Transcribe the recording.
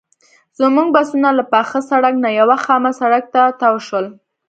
زموږ بسونه له پاخه سړک نه یوه خامه سړک ته تاو شول.